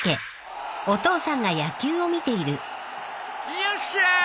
よっしゃ。